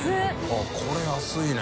あっこれ安いね。